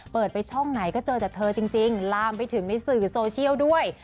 เปิดไปช่องไหนก็เจอแต่เธอจริงลามไปถึงในสื่อโซเชียลด้วย